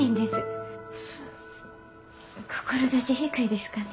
志低いですかね？